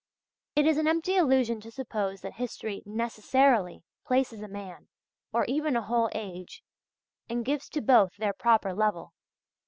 It is an empty illusion to suppose that history necessarily "places" a man, or even a whole age, and gives to both their proper level.